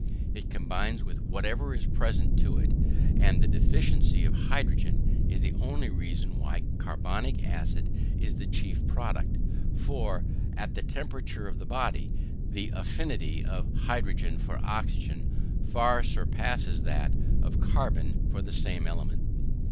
It combines with whatever is presented to it; and the deficiency of hydrogen is the only reason why carbonic acid is the chief product; for, at the temperature of the body, the affinity of hydrogen for oxygen far surpasses that of carbon for the same element.